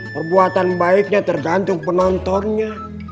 perbuatan baiknya tergantung penontonnya